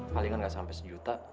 palingan gak sampai sejuta